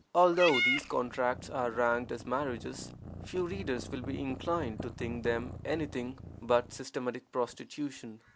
Although these contracts are ranked as marriages, few readers will be inclined to think them any thing but systematic prostitution.